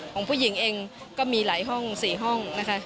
ของผู้หญิงเองก็มีหลายห้อง๔ห้องนะคะ